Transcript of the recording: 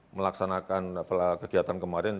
melaksanakan kegiatan kemarin